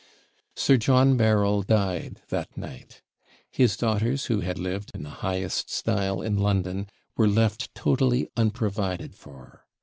Sir John Berryl died that night. His daughters, who had lived in the highest style in London, were left totally unprovided for.